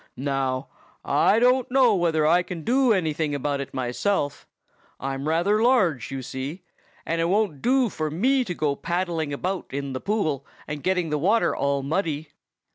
Now, I don't know whether I can do anything about it myself. I'm rather large, you see, and it won't do for me to go paddling about in the pool and getting the water all muddy."